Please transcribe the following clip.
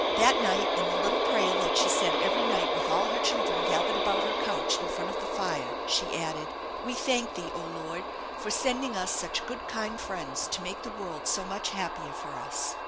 That night in the little prayer that she said 3very night with all her children gathered about her couch in front of the fire, she added, " We thank Thee, oh, Lord, for sending us such good kind friends to make the world so much happier for us."